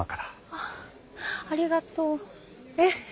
あっありがとう。えっ？